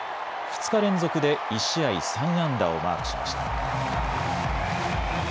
２日連続で１試合３安打をマークしました。